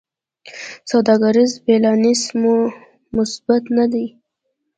سوداګریز بیلانس مو مثبت نه دی.